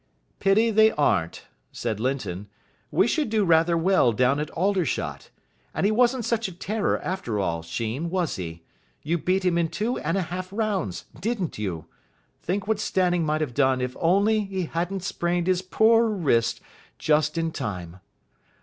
"Pity they aren't," said Linton; "we should do rather well down at Aldershot. And he wasn't such a terror after all, Sheen, was he? You beat him in two and a half rounds, didn't you? Think what Stanning might have done if only he hadn't sprained his poor wrist just in time.